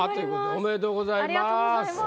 ありがとうございます。